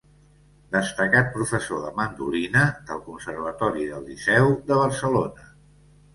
Destacat professor de mandolina del Conservatori del Liceu de Barcelona.